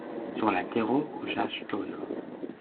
Sur la tero kuŝas ŝtono.